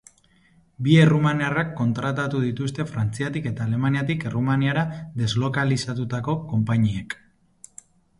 Bi errumaniarrak kontratatu dituzte Frantziatik eta Alemaniatik Errumaniara deslokalizatutako konpainiek.